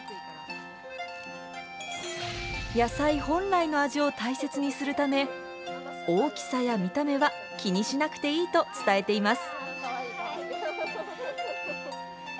野菜本来の味を大切にするため大きさや見た目は気にしなくていいと伝えています。